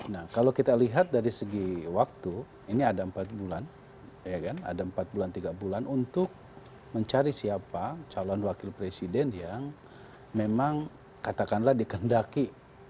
nah kalau kita lihat dari segi waktu ini ada empat bulan ada empat bulan tiga bulan untuk mencari siapa calon wakil presiden yang memang katakanlah dikehendaki